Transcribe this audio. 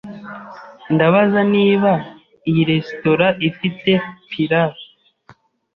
Ndabaza niba iyi resitora ifite pilaf?